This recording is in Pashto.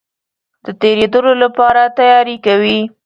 د تېرېدلو لپاره تیاری کوي.